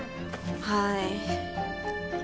はい。